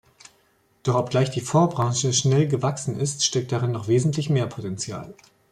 Doch obgleich die Fondsbranche schnell gewachsen ist, steckt darin noch wesentlich mehr Potenzial.